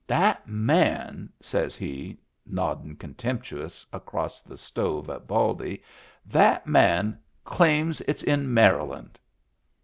" That man," says he, noddin' contemptu ous acrost the stove at Baldy — "that man claims it's in Maryland."